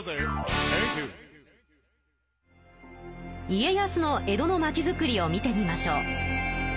家康の江戸の町づくりを見てみましょう。